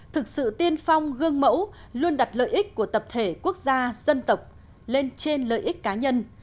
thực sự tiên phong gương mẫu luôn đặt lợi ích của tập thể quốc gia dân tộc lên trên lợi ích cá nhân